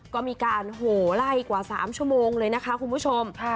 ก็มีการโหไล่กว่า๓ชั่วโมงเลยนะคะคุณผู้ชม